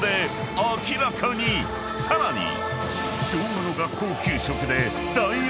［さらに］